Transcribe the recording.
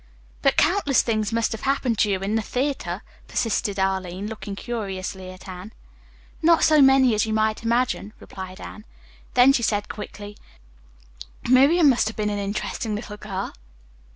"But countless things must have happened to you in the theatre," persisted Arline, looking curiously at Anne. "Not so many as you might imagine," replied Anne. Then she said quickly, "Miriam must have been an interesting little girl."